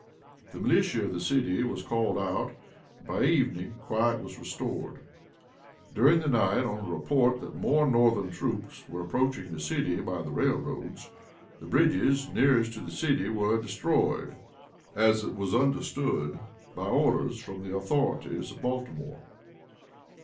The militia of the city was called out, and by evening quiet was restored. During the night, on a report that more Northern troops were approaching the city by the railroads, the bridges nearest to the city were destroyed, as it was understood, by orders from the authorities of Baltimore.